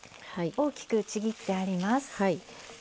大きくちぎってあります。